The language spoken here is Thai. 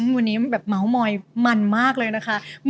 วันนี้แบบเมาส์มอยมันมากเลยนะคะ